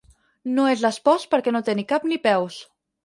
No és l'espós perquè no té ni cap ni peus.